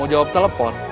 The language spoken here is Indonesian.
mau jawab telepon